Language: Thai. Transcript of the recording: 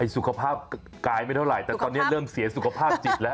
สุขภาพกายไม่เท่าไหร่แต่ตอนนี้เริ่มเสียสุขภาพจิตแล้ว